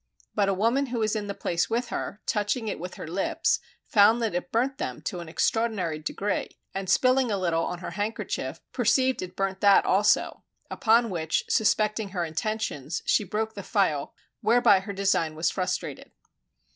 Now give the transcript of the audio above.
But a woman who was in the place with her, touching it with her lips, found that it burnt them to an extraordinary degree, and spilling a little on her handkerchief, perceived it burnt that also; upon which suspecting her intentions, she broke the phial, whereby her design was frustrated.